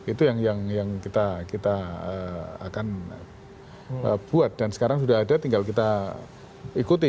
itu yang kita akan buat dan sekarang sudah ada tinggal kita ikuti